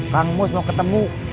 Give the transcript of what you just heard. bang bos mau ketemu